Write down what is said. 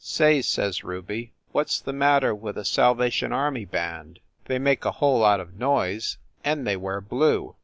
"Say," says Ruby, "what s the matter with a Sal vation Army band? They make a whole lot of noise, and they wear blue."